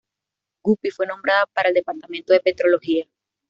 Guppy fue nombrada para el Departamento de Petrología.